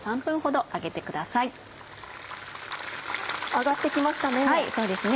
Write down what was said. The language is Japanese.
揚がって来ましたね。